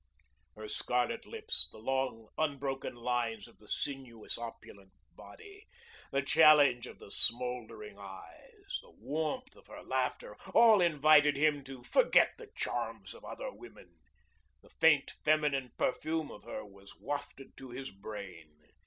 Her scarlet lips, the long, unbroken lines of the sinuous, opulent body, the challenge of the smouldering eyes, the warmth of her laughter, all invited him to forget the charms of other women. The faint feminine perfume of her was wafted to his brain.